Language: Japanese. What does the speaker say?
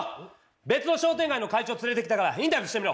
別の商店街の会長連れてきたからインタビューしてみろ！